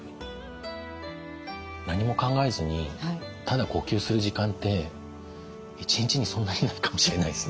何も考えずにただ呼吸する時間って一日にそんなにないかもしれないですね。